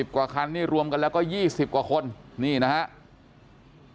กว่าคันนี่รวมกันแล้วก็๒๐กว่าคนนี่นะครับ